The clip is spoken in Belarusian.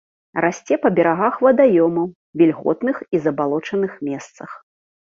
Расце па берагах вадаёмаў, вільготных і забалочаных месцах.